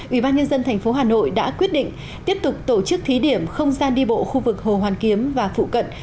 ủy ban nhân dân tp hà nội đã quyết định tiếp tục tổ chức thí điểm không gian đi bộ khu vực hồ hoàn kiếm và phụ cận